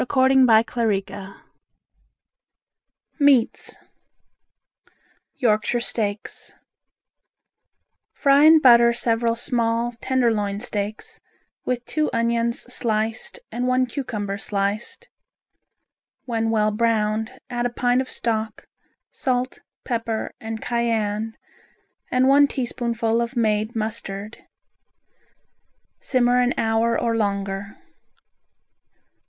MEATS Yorkshire Steaks Fry in butter several small tenderloin steaks, with two onions sliced and one cucumber sliced. When well browned add a pint of stock, salt, pepper and cayenne and one teaspoonful of made mustard. Simmer an hour or longer.